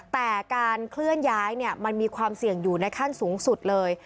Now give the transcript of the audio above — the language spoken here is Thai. แต่การเคลื่อนย้ายมันมีความเสี่ยงอยู่ในขั้นสูงสุดเลย